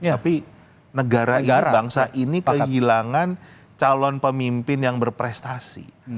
tapi negara ini bangsa ini kehilangan calon pemimpin yang berprestasi